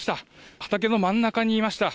畑の真ん中にいました。